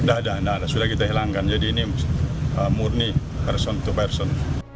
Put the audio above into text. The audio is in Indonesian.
tidak ada sudah kita hilangkan jadi ini murni person to person